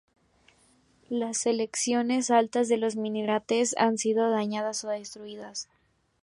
Las secciones altas de los minaretes han sido dañadas o destruidas.